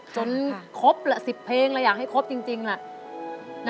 ครบละ๑๐เพลงแล้วอยากให้ครบจริงแหละ